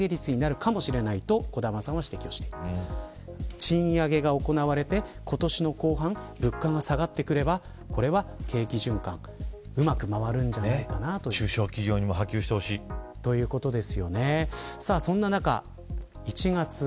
賃上げが行われて、今年の後半物価が下がってくればこれは景気循環がうまく回るんじゃないかなということです。